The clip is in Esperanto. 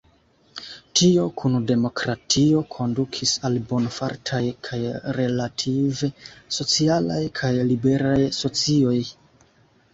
Tio, kun demokratio, kondukis al bonfartaj kaj relative socialaj kaj liberaj socioj.